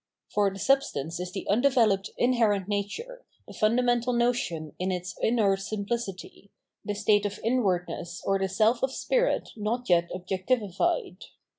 For the substance is the undeveloped inherent nature, the fundamental notion in its inert simplicity, the state of inwardness or the self of spirit not yet objectivified.